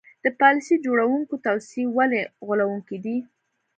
د پالیسي جوړوونکو توصیې ولې غولوونکې دي.